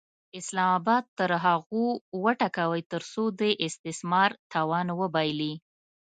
اسلام اباد تر هغو وټکوئ ترڅو د استثمار توان وبایلي.